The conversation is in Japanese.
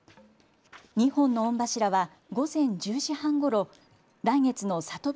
２本の御柱は午前１０時半ごろ、来月の里